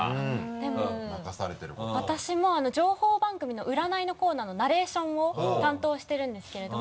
でも私も情報番組の占いのコーナーのナレーションを担当してるんですけれども。